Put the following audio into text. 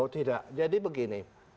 oh tidak jadi begini